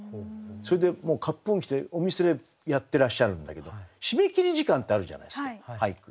それでもうかっぽう着着てお店でやってらっしゃるんだけど締め切り時間ってあるじゃないですか俳句。